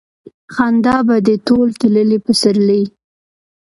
خندا به دې ټول تللي پسرلي